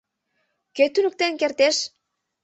Кӧ туныктен кертеш?